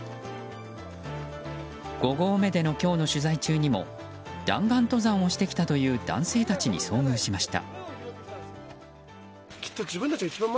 ５合目での今日の取材中にも弾丸登山をしてきたという男性たちに遭遇しました。